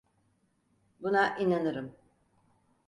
Buna inanırım.